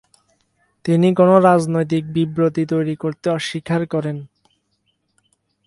তিনি কোন রাজনৈতিক বিবৃতি তৈরি করতে অস্বীকার করেন।